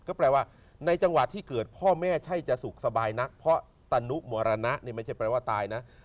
ก็แปลว่าในจังหวะที่เกิดพ่อแม่ใช่จะสุขสบายนักเพราะตนุมรณะนี่ไม่ใช่แปลว่าตายนะ